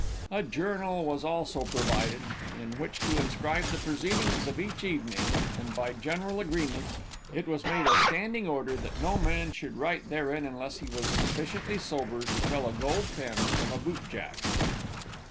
A journal was also provided, in which to inscribe the proceedings of each evening, and, by general agreement, it was made a standing order that no man should write therein unless he was sufficiently sober to tell a gold pen from a boot jack.